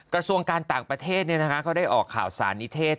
กระทรวงการต่างประเทศเขาได้ออกข่าวสารนิเทศ